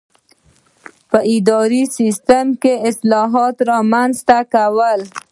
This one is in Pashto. په اداري سیسټم کې اصلاحات رامنځته کول.